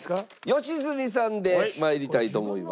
良純さんで参りたいと思います。